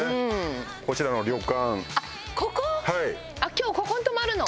今日ここに泊まるの？